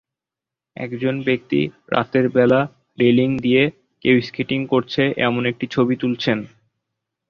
একজন ব্যক্তি রাতের বেলা রেলিং দিয়ে কেউ স্কেটিং করছে এমন একটি ছবি তুলছেন।